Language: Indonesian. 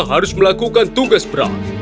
harus melakukan tugas berat